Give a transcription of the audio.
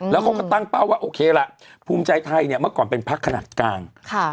แล้วเขาก็ตั้งเป้าว่าโอเคล่ะภูมิใจไทยเนี่ยเมื่อก่อนเป็นพักขนาดกลาง